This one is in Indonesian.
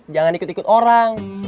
jangan ikut ikut orang